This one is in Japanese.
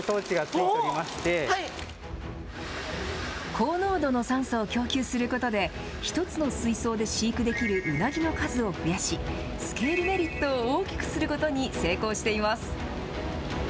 高濃度の酸素を供給することで１つの水槽で飼育できるウナギの数を増やしスケールメリットを大きくすることに成功しています。